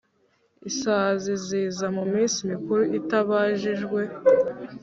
isazi ziza mu minsi mikuru itabajijwe